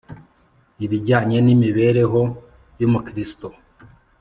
ibijyanye n’ imibereho y Umukristo